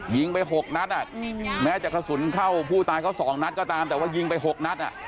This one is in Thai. ยิงไป๖นัดแม้จะกระสุนเข้าผู้ตายเขา๒นัดก็ตามแต่ว่ายิงไป๖นัด